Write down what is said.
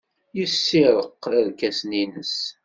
Yessirreq irkasen-nnes.